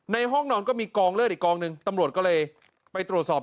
ห้องนอนก็มีกองเลือดอีกกองหนึ่งตำรวจก็เลยไปตรวจสอบ